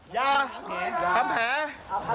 อย่าทำแผล